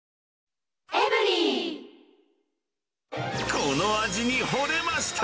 この味にホレました！